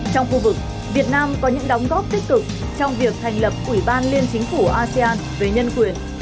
trong khu vực việt nam có những đóng góp tích cực trong việc thành lập ủy ban liên chính phủ asean về nhân quyền